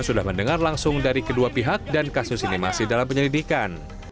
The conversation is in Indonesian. sudah mendengar langsung dari kedua pihak dan kasus ini masih dalam penyelidikan